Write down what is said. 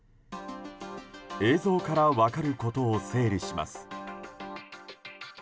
映像から分かることを整理します。